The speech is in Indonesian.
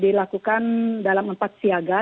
dilakukan dalam empat siaga